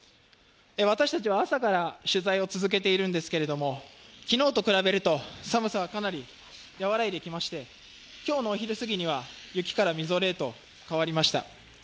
私たちは朝から取材を続けているんですけど、昨日と比べると寒さは、かなり和らいできまして、今日のお昼すぎには、雪からみぞれへと変わりました。